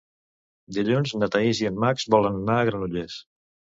Dilluns na Thaís i en Max volen anar a Granollers.